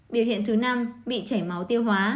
biểu hiện thứ năm bị chảy máu tiêu hóa